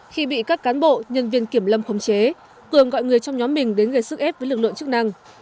khi bị các cán bộ nhân viên kiểm lâm khống chế cường gọi người trong nhóm mình đến gây sức ép với lực lượng chức năng